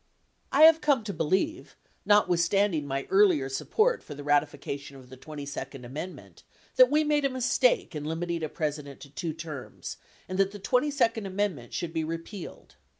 I have come to believe, notwithstanding my earlier support for the ratification of the 22d amendment, that we made a mistake in limiting a President to two terms and that the 22d amendment should be re pealed.